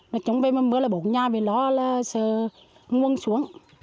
nói chung về một mưa là bổ nhà vì lo là sẽ nguồn xuống